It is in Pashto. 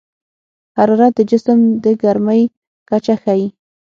حرارت د جسم د ګرمۍ کچه ښيي.